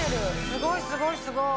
すごいすごいすごい！